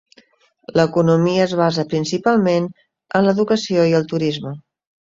L'economia es basa principalment en l'educació i el turisme.